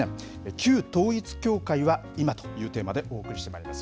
旧統一教会は今というテーマでお送りしてまいります。